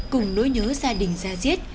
cùng đối nhớ gia đình gia diết